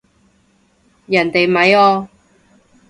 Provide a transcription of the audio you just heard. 人哋咪哦